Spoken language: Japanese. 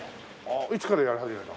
いつからやり始めたの？